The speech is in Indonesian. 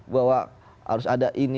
bahwa harus ada ini